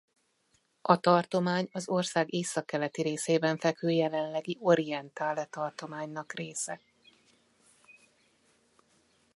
A tartomány az ország északkeleti részében fekvő jelenlegi Orientale tartománynak része.